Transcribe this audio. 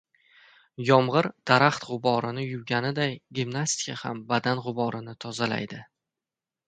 Yomgir daraxt g‘uborini yuvganiday, gimnastika ham badan g‘uborini tozalaydi.